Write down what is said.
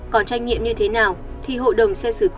còn trách nhiệm như thế nào thì hộ đồng sẽ